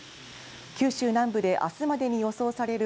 九州南部で明日までに予想される